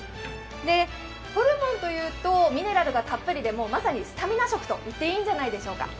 ホルモンというとミネラルがたっぷりでまさにスタミナ食と言っていいんじゃないでしょうか。